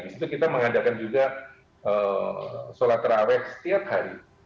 di situ kita mengadakan juga sholat terawih setiap hari